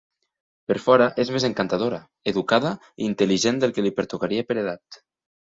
Per fora, és més encantadora, educada i intel·ligent del que li pertocaria per edat.